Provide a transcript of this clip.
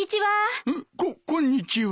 こんにちは。